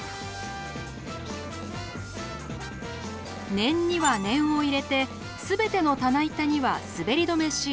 念には念を入れて全ての棚板にはすべり止めシート。